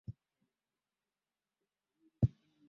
walinzi wachezaji wa kiungo na wachezaji wa mbele au straika